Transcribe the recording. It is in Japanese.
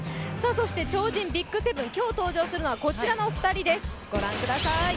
そして超人ＢＩＧ７、今日登場するのはこちらの２人です、ご覧ください。